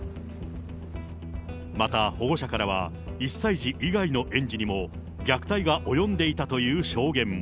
また保護者からは、１歳児以外の園児にも虐待が及んでいたという証言も。